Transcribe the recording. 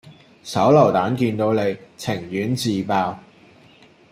手榴彈見到你，情願自爆